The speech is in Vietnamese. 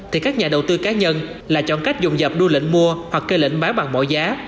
thì các nhà đầu tư cá nhân là chọn cách dùng dọc đua lệnh mua hoặc kê lệnh bán bằng mọi giá